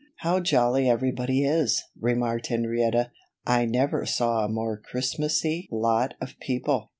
"How jolly everybody is!" remarked Henrietta. "I never saw a more Christmassy lot of people.